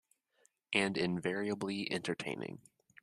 And invariably entertaining.